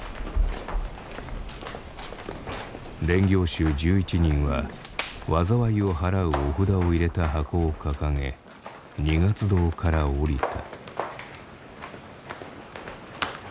練行衆１１人は災いをはらうお札を入れた箱を掲げ二月堂から下りた。